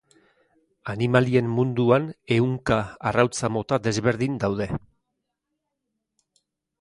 Animalien munduan ehunka arrautza mota desberdin daude.